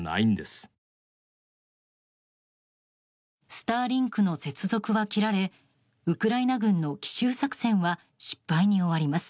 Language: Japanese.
スターリンクの接続は切られウクライナ軍の奇襲作戦は失敗に終わります。